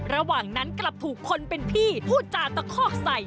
ระหว่างนั้นกลับถูกคนเป็นพี่พูดจาตะคอกใส่